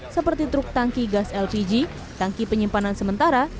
seperti truk tangki gas lpg tangki penyimpanan sementara